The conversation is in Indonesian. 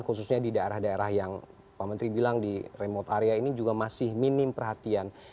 khususnya di daerah daerah yang pak menteri bilang di remote area ini juga masih minim perhatian